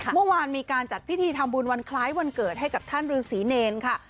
เมื่อวานมีการจัดพิธีทำบุญวันคล้ายวันเกิดให้กับท่านฤษีเนรค่ะ